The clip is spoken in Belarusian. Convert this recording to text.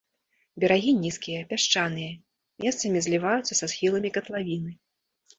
Берагі нізкія, пясчаныя, месцамі зліваюцца са схіламі катлавіны.